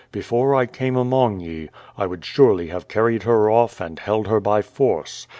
Before I came among ye, I would surely liave carried her off and held her by force.